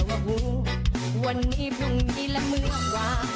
เหมือนกับพี่จ๊ะมากกว่า